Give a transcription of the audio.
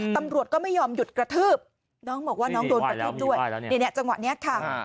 ตำรวจก็ไม่ยอมหยุดกระทืบน้องบอกว่าน้องโดนกระทืบด้วยจังหวะนี้ค่ะ